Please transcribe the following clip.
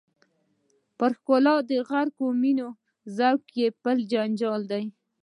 پر ښکلا د غرقې مینې ذوق یې بل جنجال دی.